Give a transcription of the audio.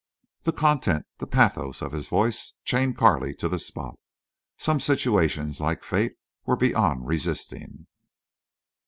The content, the pathos, of his voice chained Carley to the spot. Some situations, like fate, were beyond resisting.